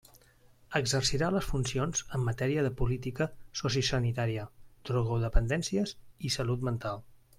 Exercirà les funcions en matèria de política sociosanitària, drogodependències i salut mental.